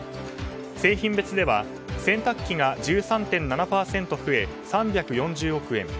製品別では洗濯機が１３．７％増え３４０億円。